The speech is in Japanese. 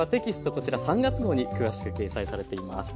こちら３月号に詳しく掲載されています。